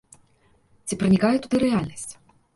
Ці пранікае туды рэальнасць?